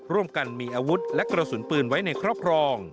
ร่วมกันมีอาวุธและกระสุนปืนไว้ในครอบครอง